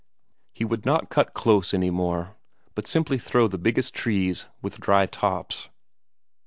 He would not cut close any more, but simply throw the biggest trees with dry tops.